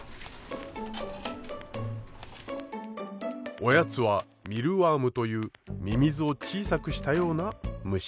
おやつはミルワームというミミズを小さくしたような虫。